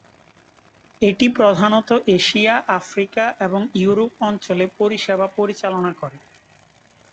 এটি প্রধানত Asia, Africa এবং ইউরোপ অঞ্চলে পরিষেবা পরিচালনা করে।